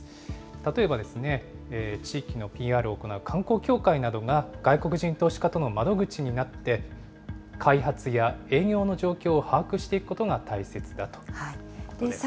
例えば、地域のＰＲを行う観光協会などが、外国人投資家との窓口になって、開発や営業の状況を把握していくことが大切だということです。